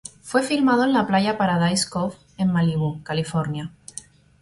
Fue filmado en la playa Paradise Cove en Malibú, California.